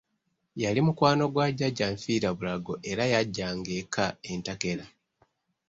Yali mukwano gwa Jjajja nfiirabulago era yajjanga eka entakera.